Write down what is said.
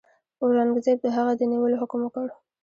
اورنګزېب د هغه د نیولو حکم وکړ.